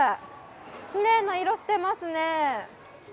きれいな色をしていますね。